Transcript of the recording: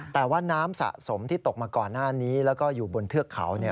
แต่ว่าน้ำสะสมที่ตกมาก่อนหน้านี้แล้วก็อยู่บนเทือกเขา